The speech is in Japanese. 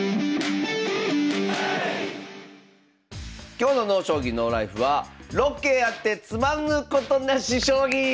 今日の「ＮＯ将棋ＮＯＬＩＦＥ」は「６桂あって詰まぬことなし将棋」！